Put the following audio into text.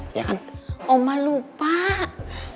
saya yakin pasti ruangan oma disekitar sini